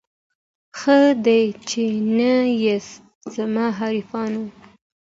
ښه دی چي نه یاست زما حریفانو